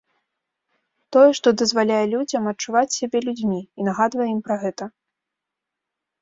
Тое, што дазваляе людзям адчуваць сябе людзьмі і нагадвае ім пра гэта.